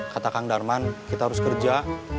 kata kang darman kita harus kerja